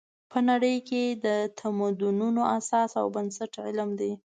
په نړۍ کې د تمدنونو اساس او بنسټ علم دی.